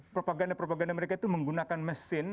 propaganda propaganda mereka itu menggunakan mesin